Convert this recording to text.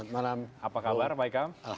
selamat malam apa kabar pak ikam